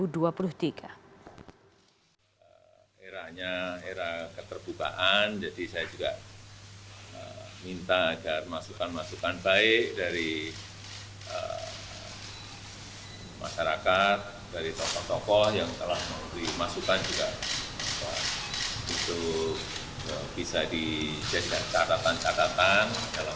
dalam rangka mengkoreksi apa yang telah dikerjakan oleh pansel dan kita harapkan